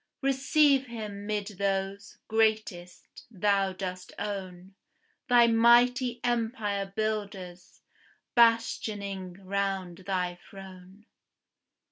Receive him 'mid those, greatest, thou dost own, Thy mighty empire builders, bastioning round thy throne.